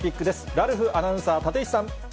ラルフアナウンサー、立石さん。